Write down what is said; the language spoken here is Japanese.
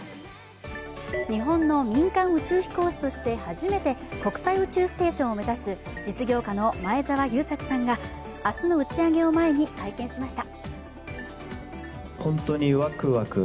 日本の民間宇宙飛行士として初めて国際宇宙ステーションを目指す実業家の前澤友作さんが明日の打ち上げを前に会見しました。